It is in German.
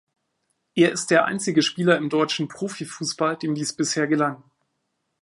Er ist der einzige Spieler im deutschen Profifußball, dem dies bisher gelang.